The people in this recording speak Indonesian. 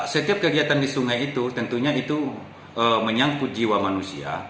setiap kegiatan di sungai itu tentunya itu menyangkut jiwa manusia